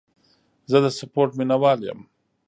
زه د سپورټ مینهوال یم.